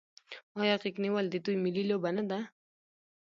آیا غیږ نیول د دوی ملي لوبه نه ده؟